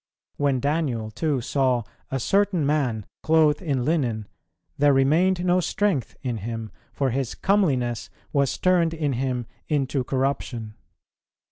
"[139:1] When Daniel too saw "a certain man clothed in linen" "there remained no strength" in him, for his "comeliness was turned" in him "into corruption."